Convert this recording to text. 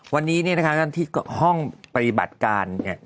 วันนี้เนี่ยนะคะท่านที่ห้องปฏิบัติการเนี่ย